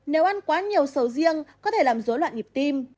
nếu ăn quá nhiều sầu riêng có thể làm dối loạn nhịp tim